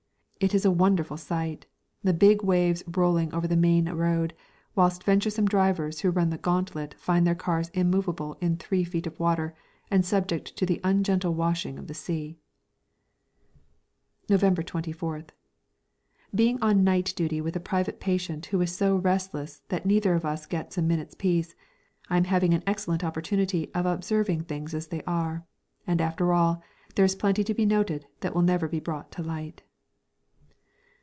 It is a wonderful sight, the big waves rolling over the main road, whilst venturesome drivers who run the gauntlet find their cars immovable in three feet of water and subject to the ungentle washing of the sea. [Illustration: AMBULANCES HELD UP BY THE HIGH TIDE] November 24th. Being on night duty with a private patient who is so restless that neither of us gets a minute's peace, I am having an excellent opportunity of observing things as they are; and, after all, there is plenty to be noted that will never be brought to light.